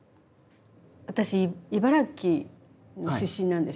私茨城の出身なんですよ。